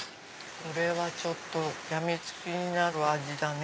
これはちょっと病みつきになる味だね。